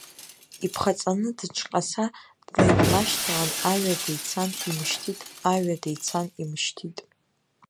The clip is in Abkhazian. Иԥхаҵаны, дыҿҟьаса длеи-длашьҭалан, аҩада ицан имышьҭит, аҩ ада ицан имышьҭит.